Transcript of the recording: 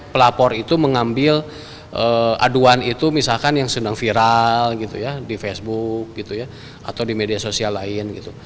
pelapor itu mengambil aduan itu misalkan yang sedang viral gitu ya di facebook gitu ya atau di media sosial lain gitu